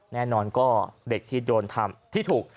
แน่นอนก็เด็กที่โดนทำที่ถูก